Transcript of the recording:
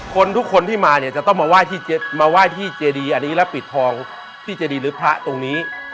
คนทุกคนที่มาเนี่ยจะต้องมาไหว้ที่เจรีย์อันนี้ละปิดทองที่เจรีย์หรือพระตรงนี้